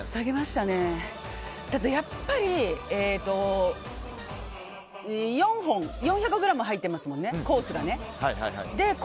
ただ、やっぱり４本４００ｇ入ってますよねコースがね。